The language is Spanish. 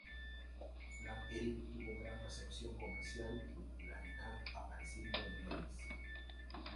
Flat Eric tuvo gran recepción comercial y popularidad, apareciendo en Levi's.